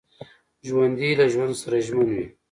ژوندي له ژوند سره ژمن وي